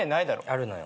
あるのよ。